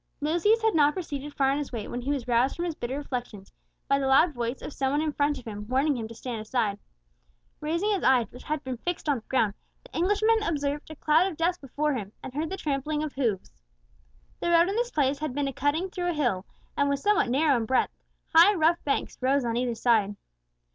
Lucius had not proceeded far on his way, when he was roused from his bitter reflections by the loud voice of some one in front of him warning him to stand aside. Raising his eyes, which had been fixed on the ground, the Englishman observed a cloud of dust before him, and heard the trampling of hoofs. The road in this place had been a cutting through a hill, and was somewhat narrow in breadth; high rough banks rose on either side.